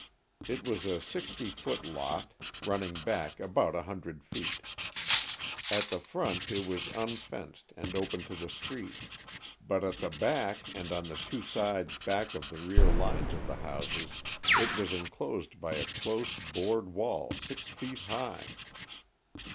It was a sixty foot lot, running back about a hundred feet. At the front it was unfenced and open to the street, but at the back and on the two sides back of the rear line of the houses it was enclosed by a close board wall six feet high.